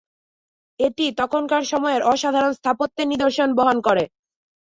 এটি তখনকার সময়ের অসাধারণ স্থাপত্যের নিদর্শন বহন করে।